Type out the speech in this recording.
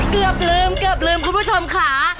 ขาเกือบลืมคุณผู้ชมขา